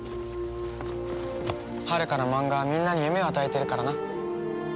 はるかのマンガはみんなに夢を与えているからな。